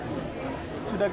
sudah kirim surat pak